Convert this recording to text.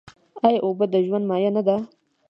آیا اوبه د ژوند مایه نه ده؟